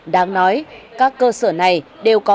đáng nói các cơ sở này đều có thuộc